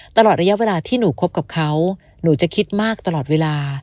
ตลอดระยะเวลาที่หนูคบกับเขาหนูจะคิดมากตลอดเวลา